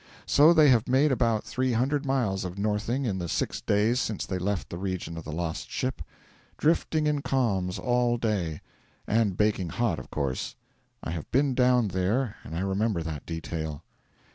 So they have made about three hundred miles of northing in the six days since they left the region of the lost ship. 'Drifting in calms all day.' And baking hot, of course; I have been down there, and I remember that detail.